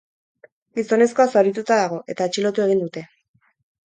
Gizonezkoa zaurituta dago eta atxilotu egin dute.